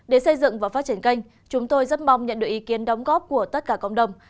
để xây dựng và phát triển kênh chúng tôi rất mong nhận được ý kiến đóng góp của tất cả cộng đồng